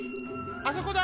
あそこだ！